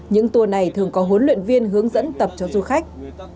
những tour này thường có huấn luyện viên hướng dẫn tập cho du khách